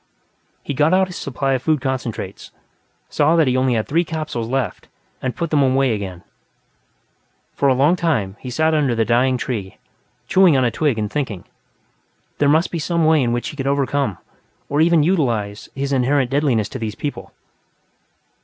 He got out his supply of food concentrates, saw that he had only three capsules left, and put them away again. For a long time, he sat under the dying tree, chewing on a twig and thinking. There must be some way in which he could overcome, or even utilize, his inherent deadliness to these people.